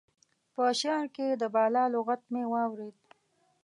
په شعر کې د بالا لغت مې واورېد.